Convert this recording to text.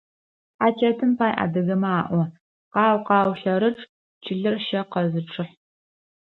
Тхьачэтым пай адыгэмэ alo: «Къау-къау лъэрычъ, чылэр щэ къэзычъыхь».